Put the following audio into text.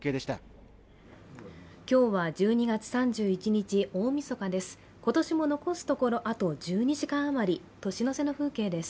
今日は１２月３１日、大みそかです。